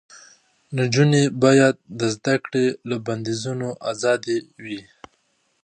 نجونې باید د زده کړې له بندیزونو آزادې وي.